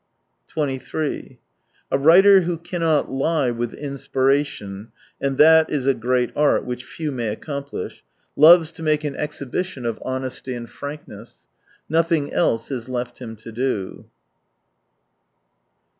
23 A writer who cannot lie with inspiration — and that is a great art, which few jnay accomplish — loves to make an exhibition 188 of honesty and frankness. Nothing else is left him to do.